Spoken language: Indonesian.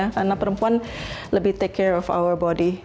karena perempuan lebih take care of our body